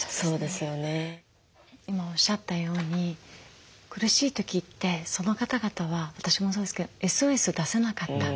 今おっしゃったように苦しい時ってその方々は私もそうですけどＳＯＳを出さなかった。